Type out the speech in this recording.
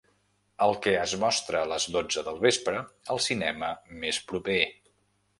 El que es mostra a les dotze del vespre al cinema més proper